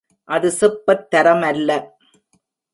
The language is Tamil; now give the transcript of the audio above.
அது செப்பத் தரமல்ல.